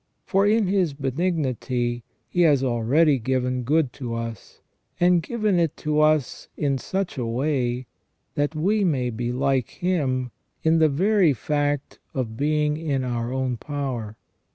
For in His benignity He has already given good to us, and given it to us in such a way that we may be like Him in the very fact of being in our own power.